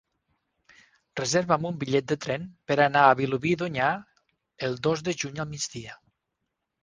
Reserva'm un bitllet de tren per anar a Vilobí d'Onyar el dos de juny al migdia.